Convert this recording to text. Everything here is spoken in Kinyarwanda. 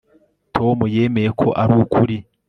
tom yemeye ko ari ukuri